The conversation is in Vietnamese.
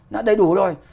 nó đầy đủ rồi